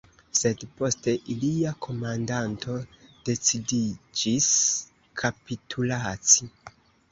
Sed poste ilia komandanto decidiĝis kapitulaci.